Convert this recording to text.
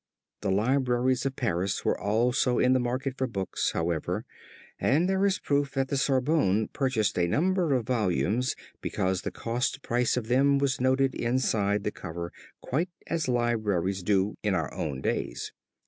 The libraries of Paris were also in the market for books, however, and there is proof that the Sorbonne purchased a number of volumes because the cost price of them was noted inside the cover quite as libraries do in our own days.